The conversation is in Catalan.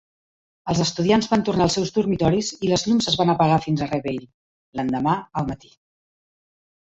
Els estudiants van tornar als seus dormitoris i les llums es van apagar fins a Reveille, l'endemà al matí.